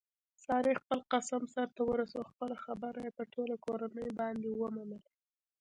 سارې خپل قسم سرته ورسولو خپله خبره یې په ټوله کورنۍ باندې ومنله.